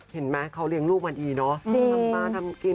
เห็นไหมเขาเลี้ยงลูกมาดีเนาะทำมาทำกิน